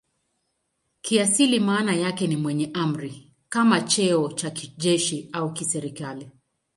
Kiasili maana yake ni "mwenye amri" kama cheo cha kijeshi au kiserikali.